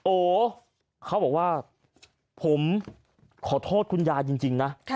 โอ้เขาบอกว่าผมขอโทษคุณยายจริงนะ